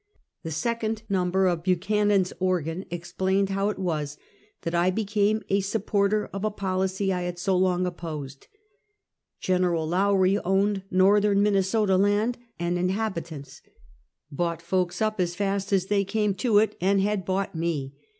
The second number of Buchanan's organ explained how it was that I became a supporter of a policy I had so long opposed. Gen. Lowrie owned Northern Min nesota, land and inhabitants, bought folks up as fast as they came to it, and had bought me.